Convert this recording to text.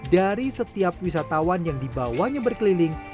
dari setiap wisatawan yang dibawanya berkeliling